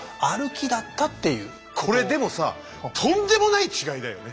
これでもさとんでもない違いだよね。